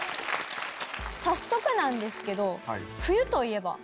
早速なんですけど。